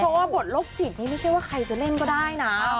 เพราะว่าบทโลกจิตนี้ไม่ใช่ว่าใครจะเล่นก็ได้นะ